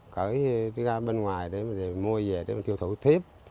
cởi ra bên ngoài để mua về để thiêu thủ tiếp